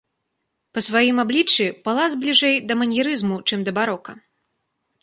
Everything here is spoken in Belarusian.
Па сваім абліччы палац бліжэй да маньерызму, чым да барока.